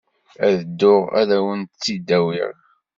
Ad dduɣ ad awent-tt-id-awiɣ.